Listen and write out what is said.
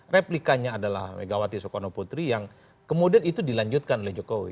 replikanya adalah megawati soekarno putri yang kemudian itu dilanjutkan oleh jokowi